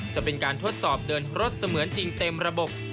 จะเป็นการทดสอบเดินรถเสมือนจริงเต็มระบบ